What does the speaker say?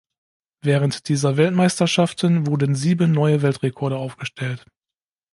Während dieser Weltmeisterschaften wurden sieben neue Weltrekorde aufgestellt.